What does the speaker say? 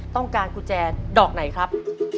ต้องการกุญแจดอกไหนครับ